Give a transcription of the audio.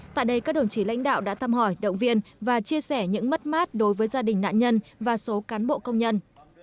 tại đây các đồng chí lãnh đạo đã thăm hỏi động viên và chia sẻ những mất mát đối với gia đình nạn nhân và số cán bộ công nhân